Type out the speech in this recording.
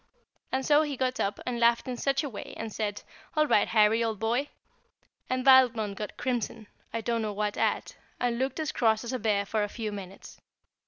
And so he got up, and laughed in such a way, and said, "All right, Harry, old boy," and Valmond got crimson I don't know what at and looked as cross as a bear for a few minutes.